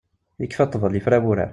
Ikfa ṭtbel, ifra wurar.